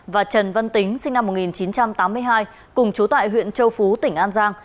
và trần văn tính sinh năm một nghìn chín trăm tám mươi hai cùng chú tại huyện châu phú tỉnh an giang